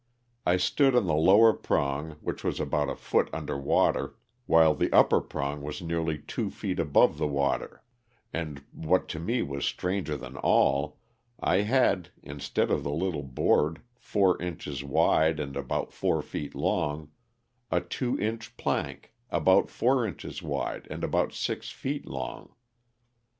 I stood on the lower prong which was about a foot under water, while the upper prong was nearly two feet above the water, and, what to me was stranger than all, I had, instead of the little board four inches wide and about four feet long, a two inch plank about four inches wide and about six feet long.